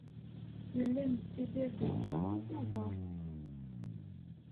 Nella nettidir dagi seg Tubeṛ.